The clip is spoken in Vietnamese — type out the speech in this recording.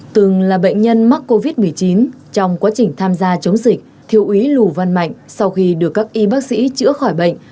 từng là bệnh nhân mắc covid một mươi chín trong quá trình tham gia chống dịch thiếu úy lù văn mạnh sau khi được các y bác sĩ chữa khỏi bệnh